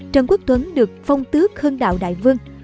trần quốc tuấn được phong tước hưng đạo đại vương